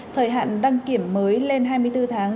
thời hạn đăng kiểm mới lên hai mươi bốn tháng